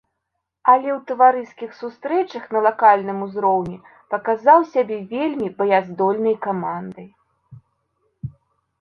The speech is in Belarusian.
Але ў таварыскіх сустрэчах на лакальным узроўні паказаў сябе вельмі баяздольнай камандай.